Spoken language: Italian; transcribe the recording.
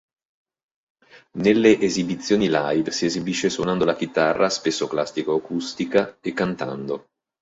Nelle esibizioni live si esibisce suonando la chitarra, spesso classica o acustica, e cantando.